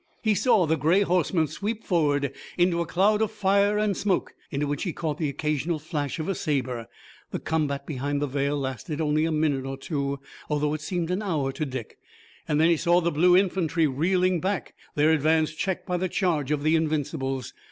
He saw the gray horsemen sweep forward into a cloud of fire and smoke, in which he caught the occasional flash of a saber. The combat behind the veil lasted only a minute or two, though it seemed an hour to Dick, and then he saw the blue infantry reeling back, their advance checked by the charge of the Invincibles.